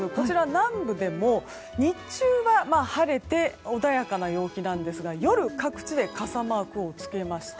南部でも日中は晴れて穏やかな陽気なんですが夜、各地で傘マークをつけました。